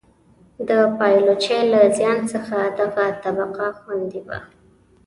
د پایلوچۍ له زیان څخه دغه طبقه خوندي وه.